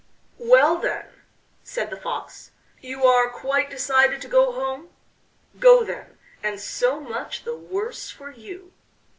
"Well, then," said the Fox, "you are quite decided to go home? Go, then, and so much the worse for you."